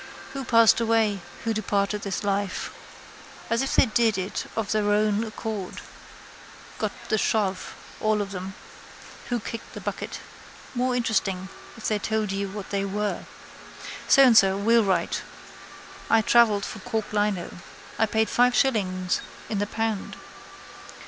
Who passed away. Who departed this life. As if they did it of their own accord. Got the shove, all of them. Who kicked the bucket. More interesting if they told you what they were. So and So, wheelwright. I travelled for cork lino. I paid five shillings in the pound.